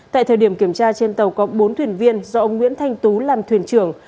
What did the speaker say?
tại thời điểm kiểm tra trên tàu có bốn thuyền viên do ông nguyễn thanh tú làm thuyền trưởng